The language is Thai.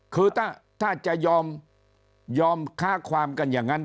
คือถ้าจะยอมค้าความกันอย่างนั้น